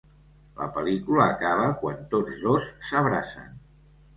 La pel·lícula acaba quan tots dos s'abracen.